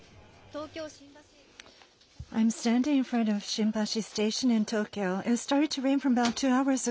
東京・新橋駅です。